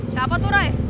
siapa tuh rai